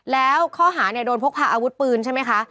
แล้วข้อหาโดนพกผ่าอาวุธปืนใช่ไหมคะ